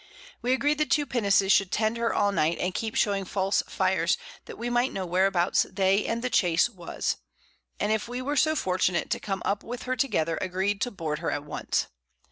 We agreed the 2 Pinnaces should tend her all Night, and keep showing false Fires, that we might know whereabouts they and the Chase was; and if we were so fortunate to come up with her together, agreed to board her at once.